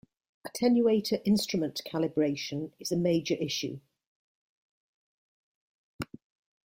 Attenuator instrument calibration is a major issue.